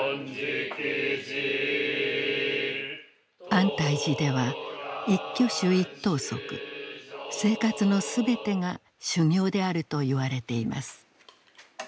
安泰寺では一挙手一投足生活の全てが修行であるといわれています。